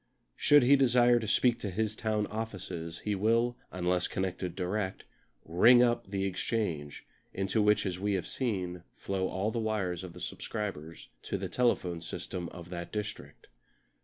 Should he desire to speak to his town offices he will, unless connected direct, "ring up" the Exchange, into which, as we have seen, flow all the wires of the subscribers to the telephone system of that district.